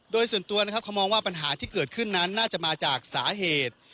โดยส่วนตัวนะครับเขามองว่าปัญหาที่เกิดขึ้นนั้นน่าจะมาจากสาเหตุ